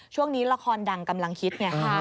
ช่วงนี้ละครดังกำลังฮิตไงค่ะ